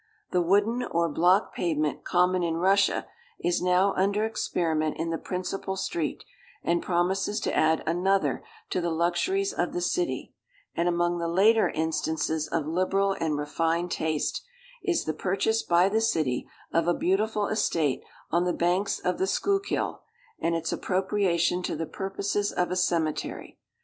The wooden, or block pavement, common in Russia, is now under experiment in the principal street, and promises to add another to the luxuries of the city; and among the later instances of liberal and refined taste, is the purchase by the city of a beautiful estate on the banks of the Schuylkill, and its appropriation to the purposes of a cemetery.